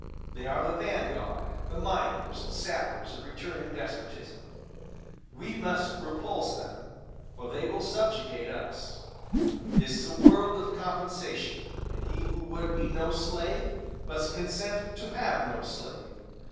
They are the vanguard, the miners and sappers of returning despotism. We must repulse them, or they will subjugate us. This is a world of compensation; and he who would be no slave must consent to have no slave.